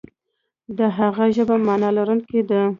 د هغه ژبه معنا لرونکې ده.